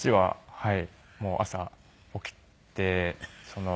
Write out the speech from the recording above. はい。